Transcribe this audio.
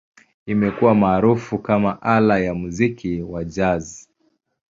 Imekuwa maarufu kama ala ya muziki wa Jazz.